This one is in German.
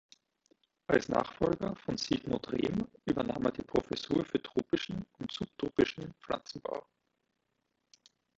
Als Nachfolger von Sigmund Rehm übernahm er die Professur für tropischen und subtropischen Pflanzenbau.